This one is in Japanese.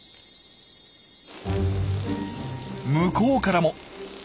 向こうからも。